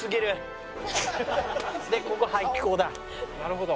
なるほど。